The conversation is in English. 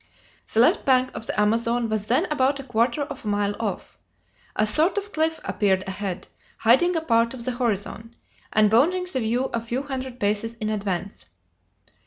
The left bank of the Amazon was then about a quarter of a mile off. A sort of cliff appeared ahead, hiding a part of the horizon, and bounding the view a few hundred paces in advance.